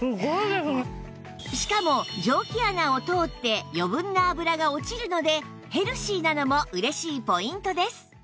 しかも蒸気穴を通って余分な脂が落ちるのでヘルシーなのも嬉しいポイントです